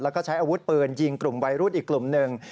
แล้วก็ใช้อาวุธปืนยิงกลุ่มวัยรุ่นอีกกลุ่มหนึ่ง